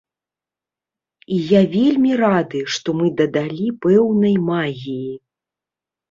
І я вельмі рады, што мы дадалі пэўнай магіі.